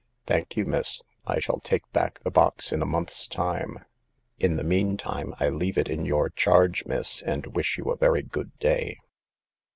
Thank you, miss ; I shall take back the box in a month's time. In the meantime I leave it in your charge, miss, and wish you a very good day."